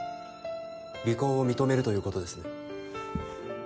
離婚を認めるということですね？